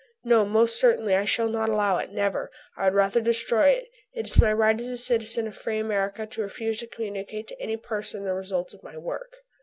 "No, most certainly I shall not allow it, never; I would rather destroy it. It is my right as a citizen of free America to refuse to communicate to any person the result of my work."